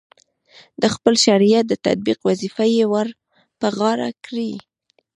د خپل شریعت د تطبیق وظیفه یې ورپه غاړه کړې.